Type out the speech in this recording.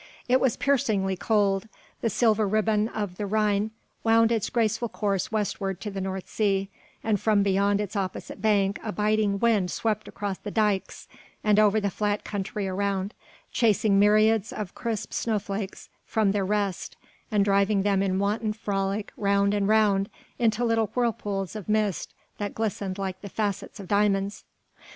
It was piercingly cold, the silver ribbon of the Rhyn wound its graceful course westward to the North Sea and from beyond its opposite bank a biting wind swept across the dykes and over the flat country around, chasing myriads of crisp snowflakes from their rest and driving them in wanton frolic round and round into little whirlpools of mist that glistened like the facets of diamonds.